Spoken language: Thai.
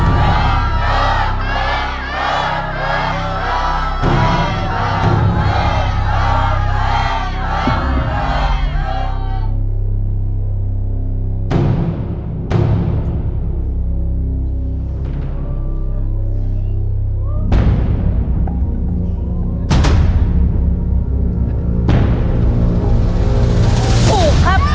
โน้ทโน้ทโน้ทโน้ทโน้ทโน้ทโน้ทโน้ท